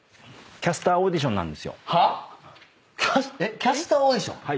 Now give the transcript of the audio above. キャスターを？のオーディションなので。